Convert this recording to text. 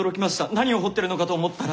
何を掘ってるのかと思ったら。